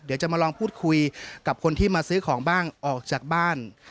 เดี๋ยวจะมาลองพูดคุยกับคนที่มาซื้อของบ้างออกจากบ้าน